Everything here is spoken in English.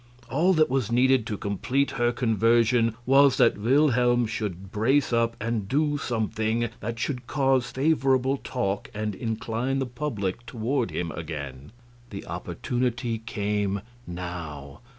All that was needed to complete her conversion was that Wilhelm should brace up and do something that should cause favorable talk and incline the public toward him again. The opportunity came now.